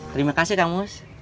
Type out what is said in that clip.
terima kasih kamus